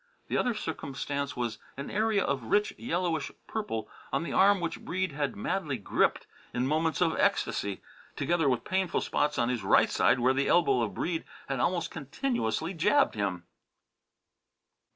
The other circumstance was an area of rich yellowish purple on the arm which Breede had madly gripped in moments of ecstasy, together with painful spots on his right side where the elbow of Breede had almost continuously jabbed him.